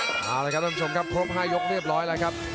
เอาละครับท่านผู้ชมครับครบ๕ยกเรียบร้อยแล้วครับ